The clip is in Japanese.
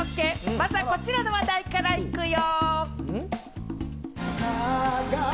まずはこちらの話題から行くよ！